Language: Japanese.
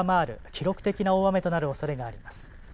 記録的な大雨となるおそれがあります。